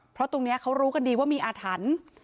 เพราะตรงนี้เขารู้กันดีว่ามีอาถรรพ์